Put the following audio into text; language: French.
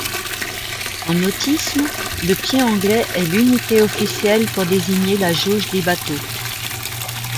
En nautisme, le pied anglais est l'unité officielle pour désigner la jauge des bateaux.